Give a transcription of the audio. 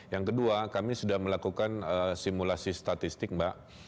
yang kedua kami sudah melakukan simulasi statistik mbak